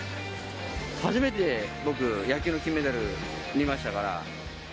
初めて僕、野球の金メダル見ましたから。